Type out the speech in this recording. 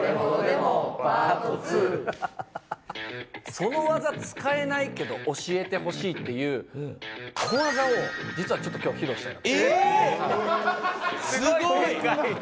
その技使えないけど教えてほしいっていう小技を実はちょっと今日披露したいなと。